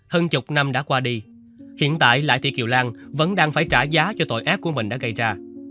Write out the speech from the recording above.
hơn chục năm đã qua đi hiện tại lại thì kiều lan vẫn đang phải trả giá cho tội ác của mình đã gây ra